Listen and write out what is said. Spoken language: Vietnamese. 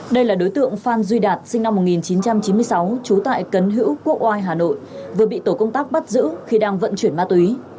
đây là đối tượng phan duy đạt sinh năm một nghìn chín trăm chín mươi sáu trú tại cấn hữu quốc oai hà nội vừa bị tổ công tác bắt giữ khi đang vận chuyển ma túy